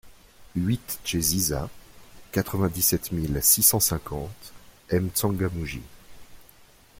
huit cHE ZIZA, quatre-vingt-dix-sept mille six cent cinquante M'Tsangamouji